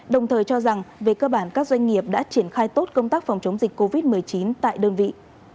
đồng thời cho rằng về cơ bản các doanh nghiệp đã triển khai tốt công tác phòng chống dịch covid một mươi chín tại đơn vị